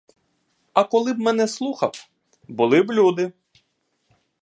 А коли б мене слухав — були б люди.